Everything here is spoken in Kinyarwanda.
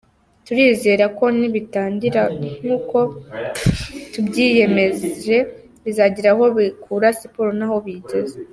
Turizera ko nibitangira nk’uko tubyiyemeje bizagira aho bikura siporo n’aho biyigeza.